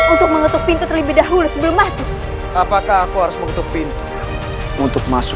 untuk mengetuk pintu terlebih dahulu sebelum masuk apakah aku harus menutup pintu untuk masuk